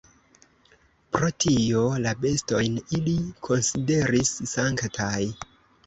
Pro tio, la bestojn ili konsideris sanktaj.